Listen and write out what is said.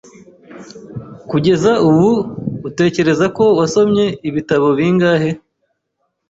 Kugeza ubu, utekereza ko wasomye ibitabo bingahe?